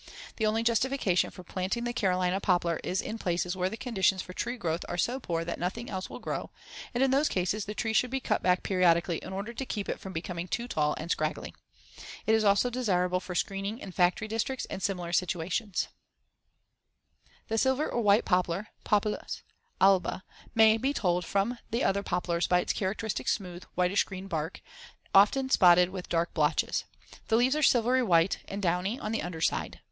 The only justification for planting the Carolina poplar is in places where the conditions for tree growth are so poor that nothing else will grow, and in those cases the tree should be cut back periodically in order to keep it from becoming too tall and scraggly. It is also desirable for screening in factory districts and similar situations. [Illustration: FIG. 42. Bud of the Carolina Poplar.] The silver or white poplar (Populus alba) may be told from the other poplars by its characteristic smooth, whitish green bark, often spotted with dark blotches, Fig. 43. The leaves are silvery white and downy on the under side.